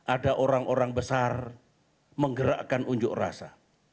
ada orang orang besar menggerakkan unjuk rasa